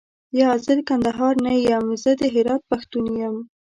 یا، زه د کندهار نه یم زه د هرات پښتون یم.